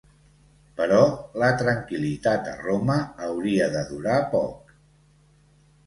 Però la tranquil·litat a Roma hauria de durar poc.